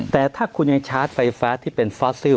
แต่ถ้าคุณยังชาร์จไฟฟ้าที่เป็นฟอสซิล